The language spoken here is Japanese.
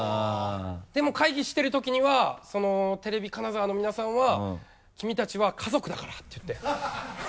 でも会議してるときにはテレビ金沢の皆さんは「君たちは家族だから」って言って。